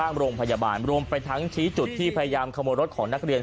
โรงพยาบาลรวมไปทั้งชี้จุดที่พยายามขโมยรถของนักเรียน